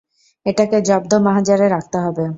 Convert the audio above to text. এটাকে জব্দ মাহজারে রাখতে হবে।